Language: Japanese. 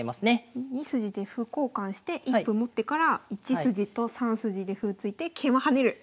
２筋で歩交換して１歩持ってから１筋と３筋で歩突いて桂馬跳ねる。